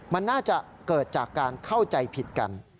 มันน่าจะเกิดจากการเข้าใจผิดกัน